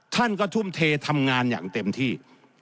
ท่านก็ทุ่มเททำงานอย่างเต็มที่